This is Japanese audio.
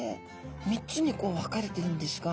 ３つにこう分かれてるんですが。